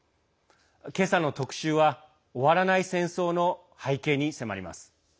今朝の特集は終わらない戦争の背景に迫ります。